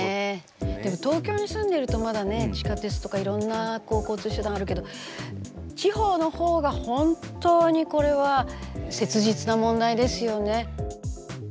でも東京に住んでるとまだね地下鉄とかいろんな交通手段あるけど地方の方が本当にこれは切実な問題ですよね。